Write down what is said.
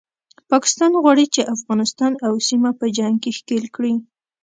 پاکستان غواړي چې افغانستان او سیمه په جنګ کې ښکیل کړي